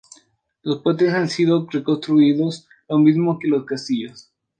Los puentes han sido reconstruidos, lo mismo que los castillos.